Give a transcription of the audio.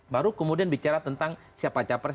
baru kemudian bicara tentang siapa capres